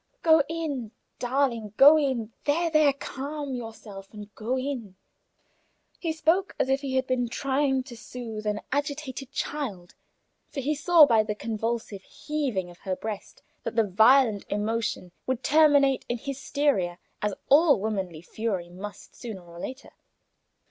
"Go in, darling, go in! There, there, calm yourself, and go in." He spoke as if he had been trying to soothe an agitated child, for he saw by the convulsive heaving of her breast that the violent emotion would terminate in hysteria, as all womanly fury must, sooner or later.